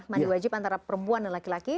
mandi wajib antara perempuan dan laki laki